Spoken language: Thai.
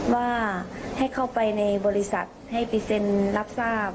ว่าให้เข้าไปในบริษัทให้ไปเซ็นรับทราบ